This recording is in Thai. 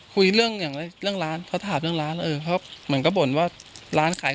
คุยเรื่องอย่างเรื่องร้านเขาถามเรื่องร้านเออเขาเหมือนก็บ่นว่าร้านขาย